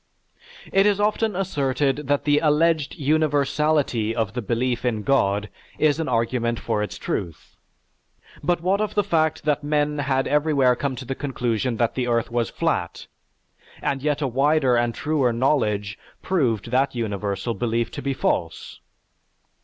It is often asserted that the alleged universality of the belief in God is an argument for its truth. But what of the fact that men had everywhere come to the conclusion that the earth was flat, and yet a wider and truer knowledge proved that universal belief to be false!